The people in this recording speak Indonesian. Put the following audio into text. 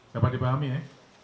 dapat dipahami ya